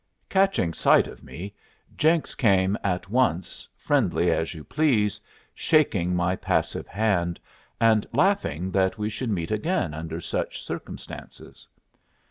Catching sight of me, Jenks came at once, friendly as you please, shaking my passive hand, and laughing that we should meet again under such circumstances.